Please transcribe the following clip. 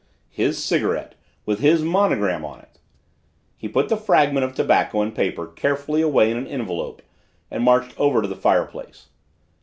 "His cigarette with his monogram on it." He put the fragment of tobacco and paper carefully away in an envelope and marched over to the fireplace.